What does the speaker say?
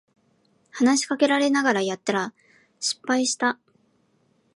話しかけられながらやってたら失敗した